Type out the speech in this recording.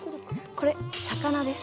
これ魚です。